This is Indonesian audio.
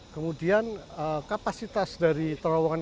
kemudian kapasitas dari terowongan